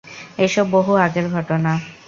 এসব বহু আগের ঘটনা।